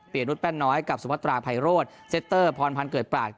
นุษแป้นน้อยกับสุพัตราไพโรธเซตเตอร์พรพันธ์เกิดปราศ